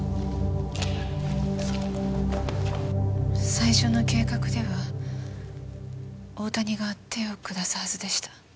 最初の計画では大谷が手を下すはずでした。